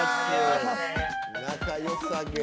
仲よさげ。